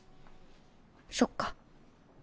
そっか。